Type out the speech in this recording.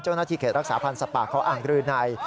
เจ้าหน้าที่เขียนรักษาพันธ์สปากเขาอังกฤษใน